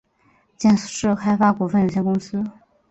建设开发股份有限公司